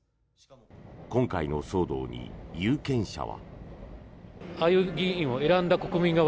今回の騒動に有権者は。